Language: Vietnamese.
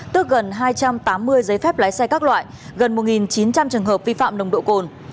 tức gần hai trăm tám mươi giấy phép lái xe các loại gần một chín trăm linh trường hợp vi phạm nồng độ cồn